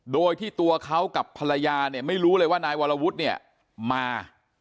โดยที่ตัวเขากับภรรยาเนี่ยไม่รู้เลยว่านายวรวุฒิเนี่ยมา